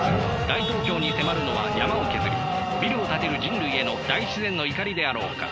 大東京に迫るのは山を削りビルを建てる人類への大自然の怒りであろうか。